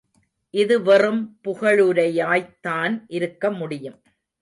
இது வெறும் புகழுரையாய்த்தான் இருக்க முடியும்.